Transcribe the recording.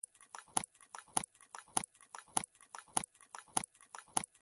زړه د احساساتو دروازې پرانیزي.